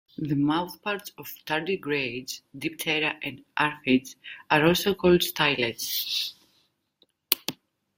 The mouthparts of tardigrades, diptera and aphids are also called stylets.